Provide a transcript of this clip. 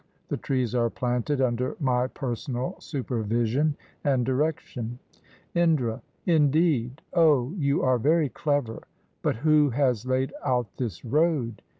The trees are planted under my personal supervision and direction. Indra. — Indeed ! O, you are very clever. But who has laid out this road?